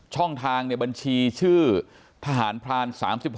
ช่องทางในบัญชีชื่อทหารพราน๓๖